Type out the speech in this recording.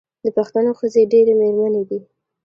د پښتنو ښځې ډیرې میړنۍ دي.